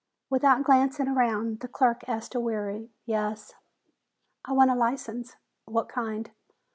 Without glancing around, the clerk asked a weary, "Yes?" "I want a license." "What kind?"